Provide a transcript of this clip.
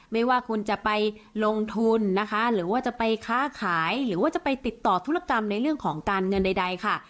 ไม่ว่าคุณจะไปลงทุนนะคะหรือว่าจะไปค้าขายหรือว่าจะไปติดต่อธุรกรรมในเรื่องของการเงินใดค่ะ